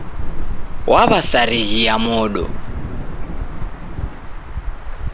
Waw'asarighia mondo.